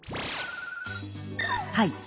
はい。